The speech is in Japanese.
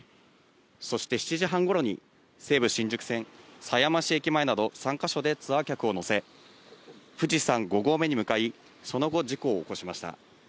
そして７時半ごろに、西武新宿線狭山市駅前など３か所でツアー客を乗せ、富士山５合目に向かい、その後、事故を起こしました。